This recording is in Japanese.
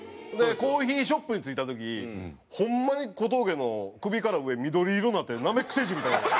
コーヒーショップに着いた時ホンマに小峠の首から上緑色になってナメック星人みたいな。